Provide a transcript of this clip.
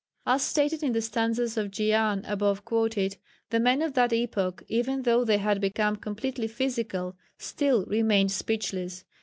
] As stated in the stanzas of Dzyan above quoted, the men of that epoch, even though they had become completely physical, still remained speechless.